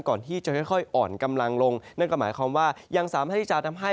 ก่อนที่จะค่อยอ่อนกำลังลงนั่นก็หมายความว่ายังสามารถที่จะทำให้